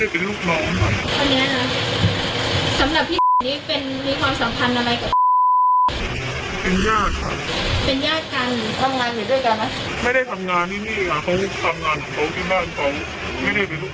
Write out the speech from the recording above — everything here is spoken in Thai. โปรดติดตาม